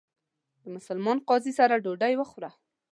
د مسلمان قاضي سره ډوډۍ وخوړه.